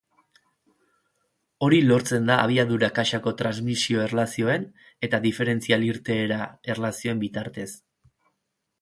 Hori lortzen da abiadura-kaxako transmisio-erlazioen eta diferentzial-irteera erlazioen bitartez.